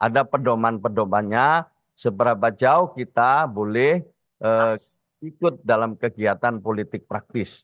ada pedoman pedomannya seberapa jauh kita boleh ikut dalam kegiatan politik praktis